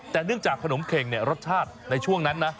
แต่เนื่องจากขนมเข็งรสชาติในช่วงนั้นนะ